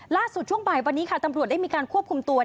ล่าสุดช่วงบ่ายวันนี้ตำรวจได้มีการควบคุมตัว